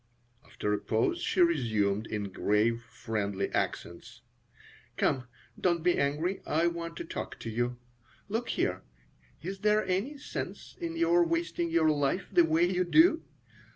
After a pause she resumed, in grave, friendly accents: "Come, don't be angry. I want to talk to you. Look here. Is there any sense in your wasting your life the way you do?